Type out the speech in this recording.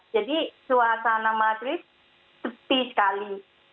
jadi suasana madrid sepi sekali